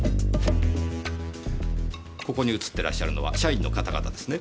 ここに写ってらっしゃるのは社員の方々ですね？